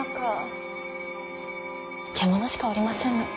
獣しかおりませぬ。